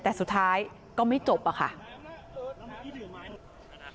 แต่สุดท้ายก็ไม่จบอะค่ะ